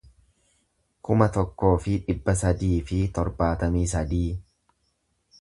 kuma tokkoo fi dhibba sadii fi torbaatamii sadii